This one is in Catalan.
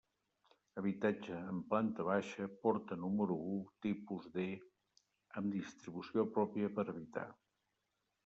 Habitatge en planta baixa, porta número u, tipus D, amb distribució pròpia per a habitar.